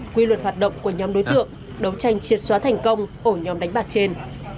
quy luật hoạt động của nhóm đối tượng đấu tranh triệt xóa thành công ổ nhóm đánh bạc trên